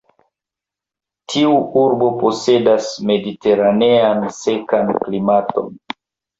Tiu urbo posedas mediteranean sekan klimaton.